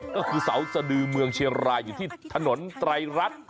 ก็คือเสาสดือเมืองเชียงรายอยู่ที่ถนนไตรรัฐ